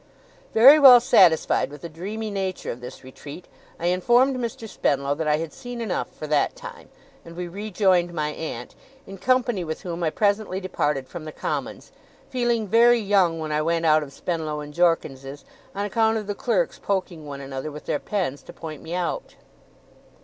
Very well satisfied with the dreamy nature of this retreat, I informed Mr. Spenlow that I had seen enough for that time, and we rejoined my aunt; in company with whom I presently departed from the Commons, feeling very young when I went out of Spenlow and Jorkins's, on account of the clerks poking one another with their pens to point me out.